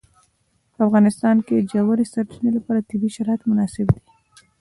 په افغانستان کې د ژورې سرچینې لپاره طبیعي شرایط مناسب دي.